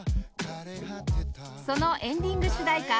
そのエンディング主題歌